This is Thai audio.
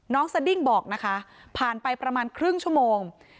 สดิ้งบอกนะคะผ่านไปประมาณครึ่งชั่วโมง